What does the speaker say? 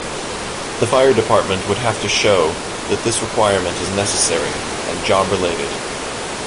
The fire department would have to show that this requirement is necessary and job-related.